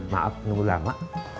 maaf menunggu lama